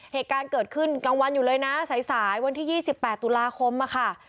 เหตุการณ์เกิดขึ้นกลางวันอยู่เลยนะสายวันที่๒๘ตุลาคมค่ะ